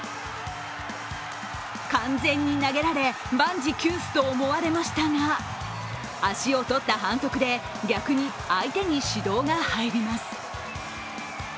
完全に投げられ万事休すと思われましたが足を取った反則で逆に相手に指導が入ります。